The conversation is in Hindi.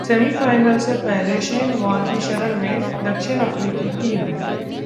सेमीफाइनल से पहले शेन वॉर्न की शरण में दक्षिण अफ्रीकी टीम